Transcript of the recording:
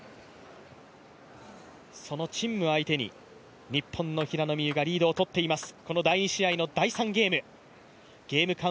その陳夢相手に、日本の平野美宇がリードをとっています。